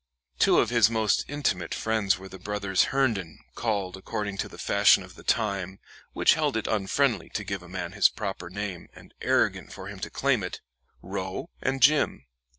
Two of his most intimate friends were the brothers Herndon, called, according to the fashion of the time, which held it unfriendly to give a man his proper name, and arrogant for him to claim it, "Row" and "Jim."